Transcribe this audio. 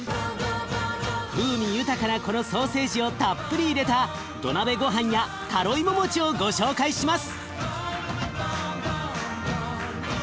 風味豊かなこのソーセージをたっぷり入れた土鍋ごはんやタロイモ餅をご紹介します。